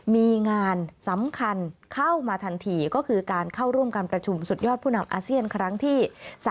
มีงานสำคัญเข้ามาทันทีก็คือการเข้าร่วมการประชุมสุดยอดผู้นำอาเซียนครั้งที่๓